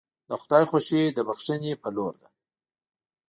د خدای خوښي د بښنې په لور ده.